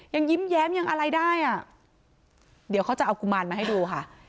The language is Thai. ยิ้มแย้มยังอะไรได้อ่ะเดี๋ยวเขาจะเอากุมารมาให้ดูค่ะ